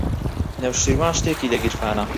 نەوشیروان شتێکی لە گیرفانە.